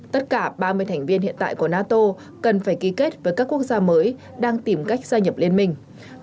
tất cả ba mươi thành viên hiện tại của nato cần phải ký kết với các quốc gia mới đang tìm cách gia nhập liên minh